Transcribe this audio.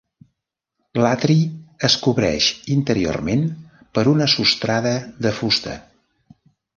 L'atri es cobreix interiorment per una sostrada de fusta.